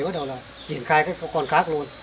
bắt đầu là triển khai con khác luôn